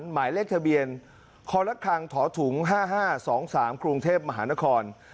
หมายเลขทะเบียนคละคร๕๕๒๓กรุงเทพมหานคร